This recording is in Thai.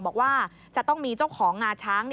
บอกว่าจะต้องมีเจ้าของงาช้าง